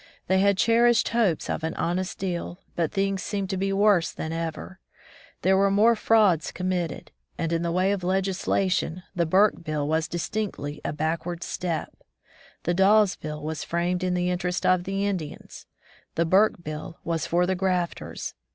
They had cherished hopes of an honest deal^ but things seemed to be worse than ever. There were more 163 From the Deep Woods to CwUization frauds committed; and in the way of legis lation, the Burke bill was distinctly a back ward step. The Dawes bill was framed in the interest of the Indians; the Burke bill was for the grafters.